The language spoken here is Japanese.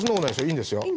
いいんですか？